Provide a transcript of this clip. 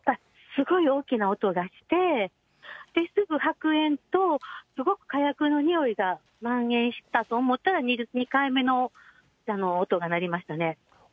すごい大きな音がして、すぐ白煙と、すごく火薬のにおいがまん延したと思ったら、２回目の音が鳴りましたね。